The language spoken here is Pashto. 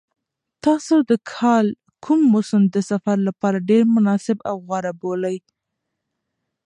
تاسو د کال کوم موسم د سفر لپاره ډېر مناسب او غوره بولئ؟